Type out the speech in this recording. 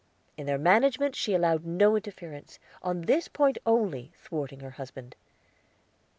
In their management she allowed no interference, on this point only thwarting her husband.